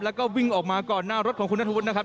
แล้วก็วิ่งออกมาก่อนหน้ารถของคุณนัทธวุฒินะครับ